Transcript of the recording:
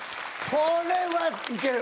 これはいける！